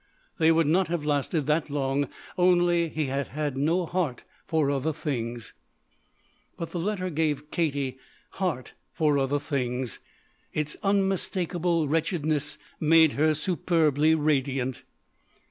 They would not have lasted that long only he had had no heart for other things. But the letter gave Katie heart for other things! Its unmistakable wretchedness made her superbly radiant.